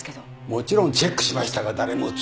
もちろんチェックしましたが誰も映ってません。